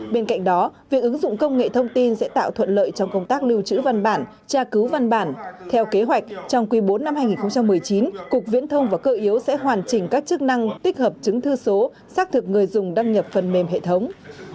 bên cạnh đó việc ứng dụng công nghệ thông tin sẽ tạo thuận lợi trong công tác lưu trữ văn bản tra cứu văn bản theo kế hoạch trong quý bốn năm hai nghìn một mươi chín cục viễn thông và cơ yếu sẽ hoàn chỉnh các chức năng tích hợp chứng thư số xác thực người dùng đăng nhập phần mềm hệ thống